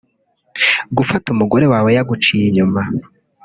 gufata umugore wawe yaguciye inyuma